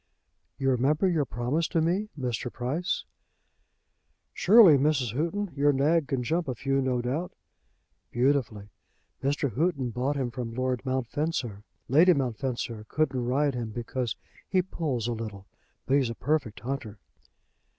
"You remember your promise to me, Mr. Price?" "Surely, Mrs. Houghton. Your nag can jump a few, no doubt." "Beautifully. Mr. Houghton bought him from Lord Mountfencer. Lady Mountfencer couldn't ride him because he pulls a little. But he's a perfect hunter."